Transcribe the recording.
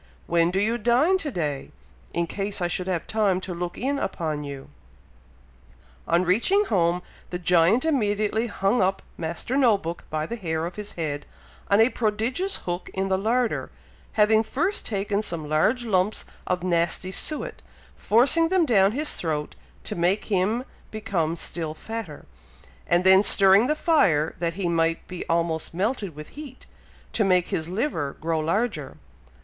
When do you dine to day, in case I should have time to look in upon you?" On reaching home, the giant immediately hung up Master No book by the hair of his head, on a prodigious hook in the larder, having first taken some large lumps of nasty suet, forcing them down his throat to make him become still fatter, and then stirring the fire, that he might be almost melted with heat, to make his liver grow larger.